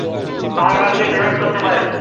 ভালো লাগলে ডোনেট করতে পারেন।